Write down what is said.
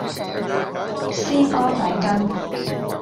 鮮蚵仔羹